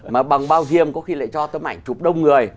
mà bằng bao diêm có khi lại cho tấm ảnh chụp đông người